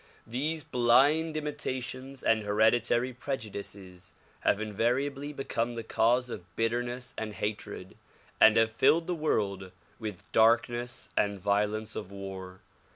These blind imitations and hereditary prejudices have invariably become the cause of bitterness and hatred and have filled the world with darkness and violence of war.